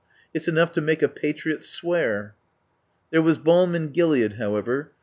It's enough to make a patriot swear." There was balm in Gilead, however. Mr.